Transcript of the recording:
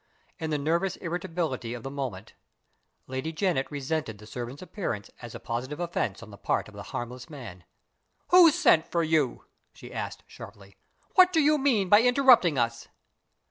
In the nervous irritability of the moment, Lady Janet resented the servant's appearance as a positive offense on the part of the harmless man. "Who sent for you?" she asked, sharply. "What do you mean by interrupting us?"